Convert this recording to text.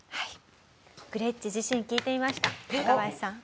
グレッチ自身に聞いてみました若林さん。